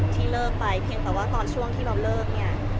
ที่เลิกไปเพียงแต่ว่าตอนช่วงที่เราเลิกเนี่ย